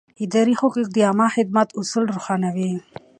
اداري حقوق د عامه خدمت اصول روښانوي.